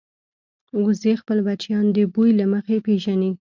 وزې خپل بچیان د بوی له مخې پېژني